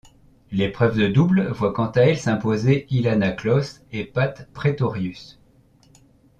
L'épreuve de double voit quant à elle s'imposer Ilana Kloss et Pat Pretorius.